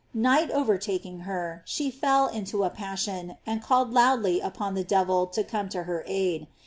Night overtaking her, she fell into a passion, and called loudly upon the devil to come to her aid.